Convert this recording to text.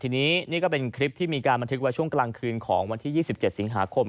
ทีนี้นี่ก็เป็นคลิปที่มีการบันทึกไว้ช่วงกลางคืนของวันที่๒๗สิงหาคม